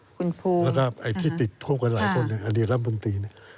คุณภูมิแล้วก็ที่ติดควบกันหลายคนอดีตรรัมปุ่นตี